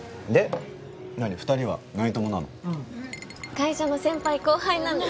会社の先輩後輩なんです。